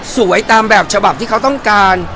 ตามแบบฉบับที่เขาต้องการ